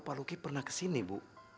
pak luki pernah kesini bu